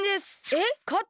「えっ！」